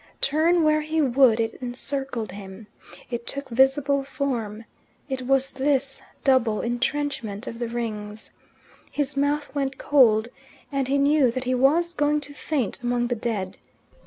Turn where he would, it encircled him. It took visible form: it was this double entrenchment of the Rings. His mouth went cold, and he knew that he was going to faint among the dead.